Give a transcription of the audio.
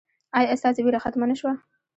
ایا ستاسو ویره ختمه نه شوه؟